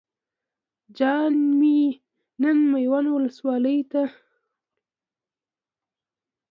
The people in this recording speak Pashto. جان مې نن میوند ولسوالۍ بازار ته لاړم او تاته مې مچو راوړل.